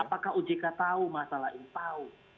apakah ojk tahu masalah ini tahu